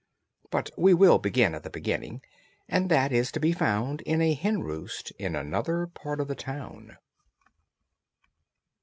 But we will begin at the beginning, and that is to be found in a hen roost in another part of the town.